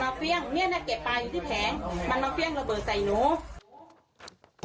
มันเอาเฟี้ยงระเบิดใส่หนู